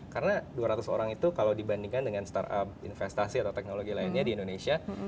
karena dua ratus orang itu kalau dibandingkan dengan startup investasi atau teknologi lainnya di indonesia